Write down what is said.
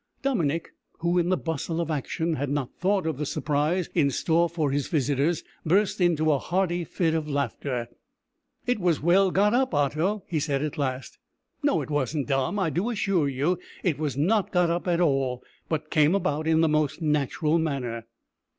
Dominick, who, in the bustle of action, had not thought of the surprise in store for his visitors, burst into a hearty fit of laughter. "It was well got up, Otto," he said at last. "No, it wasn't, Dom. I do assure you it was not got up at all, but came about in the most natural manner."